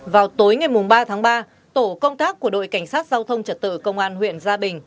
vào tối ngày ba tháng ba tổ công tác của đội cảnh sát giao thông trật tự công an huyện gia bình